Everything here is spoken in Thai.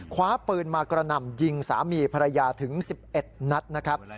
คว้าปืนมากระหน่ำยิงสามีภรรยาถึง๑๑นัดนะครับ